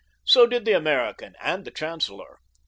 So did the American and the chancellor.